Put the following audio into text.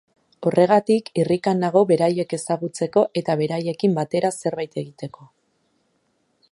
Horregatik, irrikan nago beraiek ezagutzeko eta beraiekin batera zerbait egiteko.